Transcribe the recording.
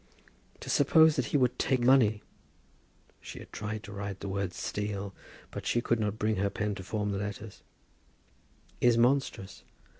To suppose that he would take money [she had tried to write the word "steal," but she could not bring her pen to form the letters] is monstrous.